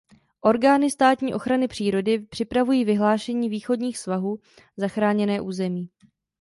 Orgány státní ochrany přírody připravují vyhlášení východních svahů za chráněné území.